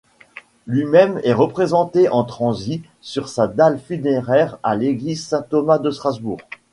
Lui-même est représenté en transi sur sa dalle funéraire à l'église Saint-Thomas de Strasbourg.